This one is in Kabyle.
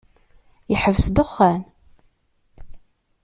Yeḥbes ddexxan.